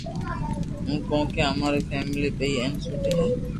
ھون ڪونڪو اما رو فيملي نيني ھين سوٺي ھي